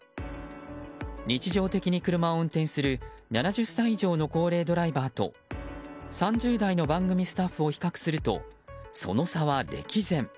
日常的に車を運転する７０歳以上の高齢ドライバーと３０代の番組スタッフと比較すると、その差は歴然。